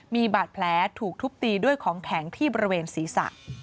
มีบาดแผลถูกทุบตีด้วยของแข็งที่บริเวณศีรษะ